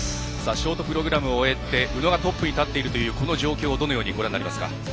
ショートプログラムを終えて宇野がトップに立っているこの状況をどのようにご覧になりますか？